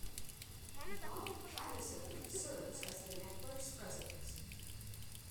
Bob Patison serves as the network's president.